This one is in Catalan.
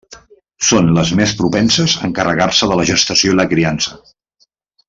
Són les més propenses a encarregar-se de la gestació i la criança.